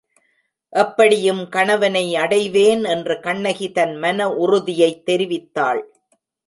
எப்படியும் கணவனை அடைவேன் என்று கண்ணகி தன் மன உறுதியைத் தெரிவித்தாள்.